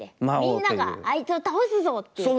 「みんながあいつを倒すぞ！」っていう感じ。